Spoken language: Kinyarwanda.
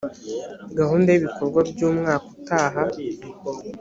gahunda y ibikorwa by umwaka utaha